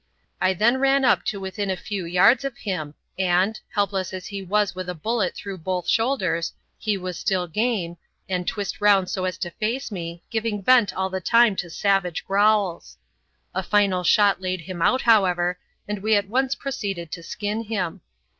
I then ran up to within a few yards of him, and helpless as he was with a bullet through both shoulders he was still game, and twist round so as to face me, giving vent all the time to savage growls. A final shot laid him out, however, and we at once proceeded to skin him.